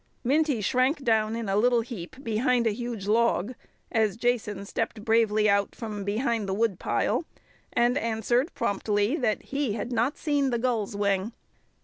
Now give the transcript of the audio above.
Minty shrank down in a little heap behind a huge log as Jason stepped bravely out from behind the woodpile, and answered promptly that he had not seen the gull's wing.